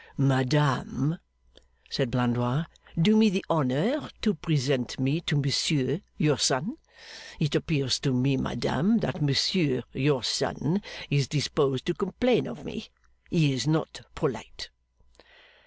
'Madame,' said Blandois, 'do me the honour to present me to Monsieur, your son. It appears to me, madame, that Monsieur, your son, is disposed to complain of me. He is not polite.